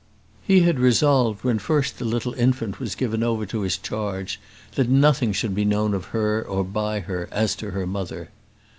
He had resolved, when first the little infant was given over to his charge, that nothing should be known of her or by her as to her mother.